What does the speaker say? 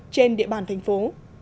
trên địa bàn thành phố